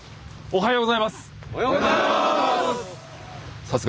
おはようございます！